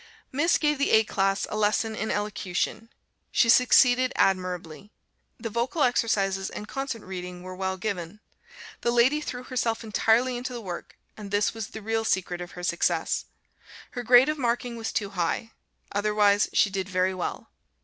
Miss gave the A class a lesson in Elocution. She succeeded admirably. The vocal exercises and concert reading were well given. The lady threw herself entirely into the work, and this was the real secret of her success. Her grade of marking was too high; otherwise, she did very well.